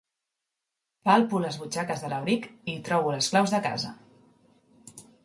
Palpo les butxaques de l'abric i trobo les claus de casa.